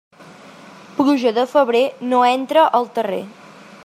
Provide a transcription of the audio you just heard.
Pluja de febrer, no entra al terrer.